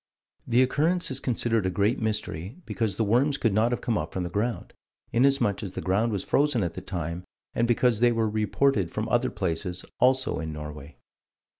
The occurrence is considered a great mystery, because the worms could not have come up from the ground, inasmuch as the ground was frozen at the time, and because they were reported from other places, also, in Norway.